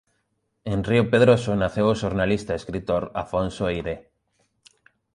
En Río Pedroso naceu o xornalista e escritor Afonso Eiré.